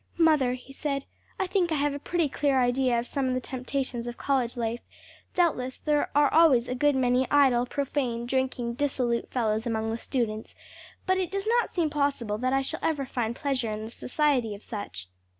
'" "Mother," he said, "I think I have a pretty clear idea of some of the temptations of college life: doubtless there are always a good many idle, profane, drinking, dissolute fellows among the students, but it does not seem possible that I shall ever find pleasure in the society of such."